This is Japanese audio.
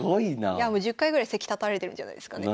いやもう１０回ぐらい席立たれてるんじゃないですかね